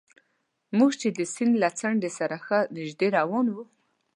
موږ چې د سیند له څنډې سره ښه نژدې روان وو.